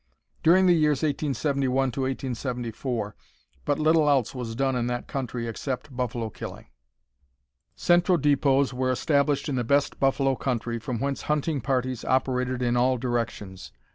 During the years 1871 to 1874 but little else was done in that country except buffalo killing. Central depots were established in the best buffalo country, from whence hunting parties operated in all directions.